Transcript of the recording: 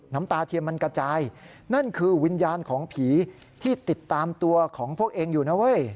น้ำตาเทียมมันกระจายนั่นคือวิญญาณของผีที่ติดตามตัวของพวกเองอยู่นะเว้ย